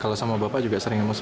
kalau sama bapak juga sering emosi